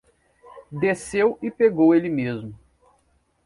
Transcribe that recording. Desceu e pegou ele mesmo.